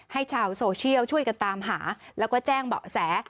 ให้ชาวโซเชียลช่วยกันตามหาแล้วก็แจ้งเบาะแส